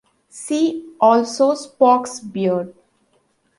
See also Spock's Beard.